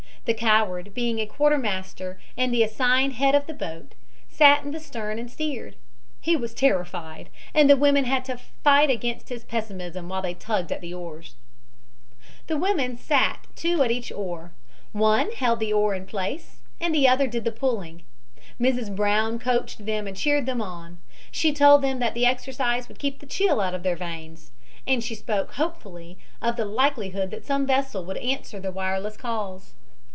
The coward, being a quartermaster and the assigned head of the boat, sat in the stern and steered. He was terrified, and the women had to fight against his pessimism while they tugged at the oars. The women sat two at each oar. One held the oar in place, the other did the pulling. Mrs. Brown coached them and cheered them on. She told them that the exercise would keep the chill out of their veins, and she spoke hopefully of the likelihood that some vessel would answer the wireless calls.